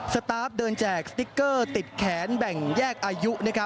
สตาร์ฟเดินแจกสติ๊กเกอร์ติดแขนแบ่งแยกอายุ